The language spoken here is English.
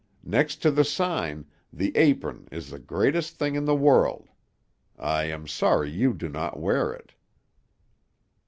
Next to the sign, the apron is the greatest thing in the world; I am sorry you do not wear it."